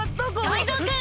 タイゾウくん！